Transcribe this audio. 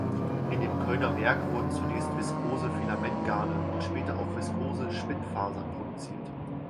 In dem Kölner Werk wurden zunächst Viskose-Filamentgarne und später auch Viskose-Spinnfasern produziert.